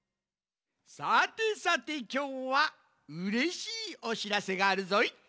さてさてきょうはうれしいおしらせがあるぞい。